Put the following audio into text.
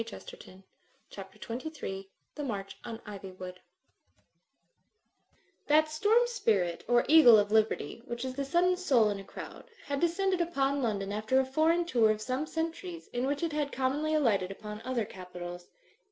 Digitized by CjOOQIC CHAPTER XXIII THE MARCH ON IVYWOOD That storm spirit, or eagle of liberty, which is the sudden soul in a crowd, had descended upon London after a foreign tour of some centuries in which it had commonly alighted upon other capitals.